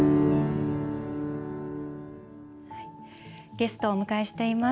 ゲストをお迎えしています。